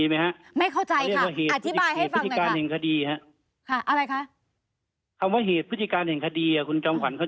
ไม่เข้าใจสิบอกหน่อยค่ะ